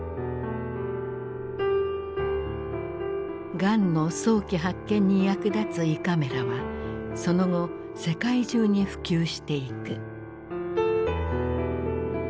がんの早期発見に役立つ胃カメラはその後世界中に普及していく。